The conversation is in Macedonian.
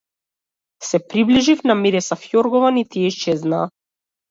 Се приближив, намирисав јоргован и тие исчезнаа.